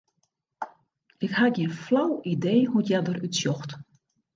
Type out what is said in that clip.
Ik ha gjin flau idee hoe't hja derút sjocht.